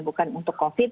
bukan untuk covid